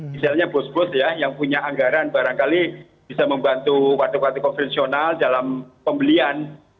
misalnya bos bos ya yang punya anggaran barangkali bisa membantu waduk waduk konvensional dalam pembelian